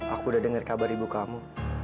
aku udah dengar kabar ibu kamu